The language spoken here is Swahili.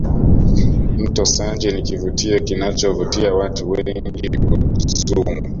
mto sanje ni kivutio kinachovutia watu wengi udzungwa